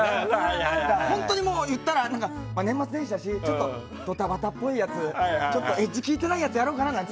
本当にもう言ったら、年末年始だしドタバタっぽいやつちょっとエッジ効いてないやつやろうかなって。